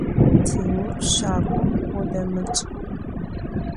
Timur, şagum vudemıç'!